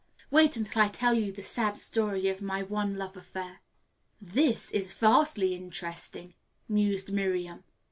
Wait until I tell you the sad story of my one love affair." "This is vastly interesting," mused Miriam.